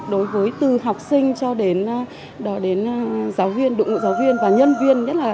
đối với từ học sinh cho đến giáo viên đụng ngũ giáo viên và nhân viên